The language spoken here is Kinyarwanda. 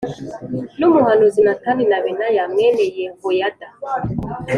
n’umuhanuzi Natani na Benaya mwene Yehoyada